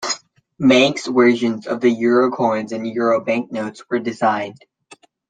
Manx versions of the euro coins and euro banknotes were designed.